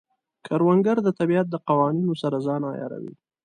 کروندګر د طبیعت د قوانینو سره ځان عیاروي